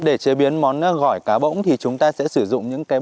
để chế biến món gỏi cá bỗng thì chúng ta sẽ sử dụng những cái